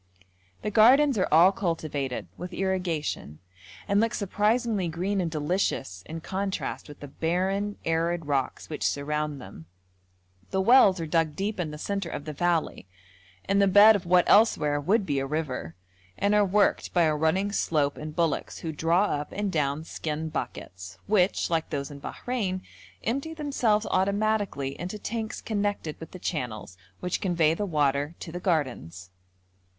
The gardens are all cultivated, with irrigation, and look surprisingly green and delicious in contrast with the barren, arid rocks which surround them; the wells are dug deep in the centre of the valley, in the bed of what elsewhere would be a river, and are worked by a running slope and bullocks who draw up and down skin buckets, which, like those in Bahrein, empty themselves automatically into tanks connected with the channels which convey the water to the gardens.